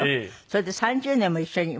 それで３０年も一緒に。